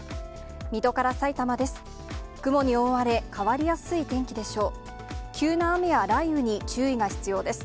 水戸からさいたまです。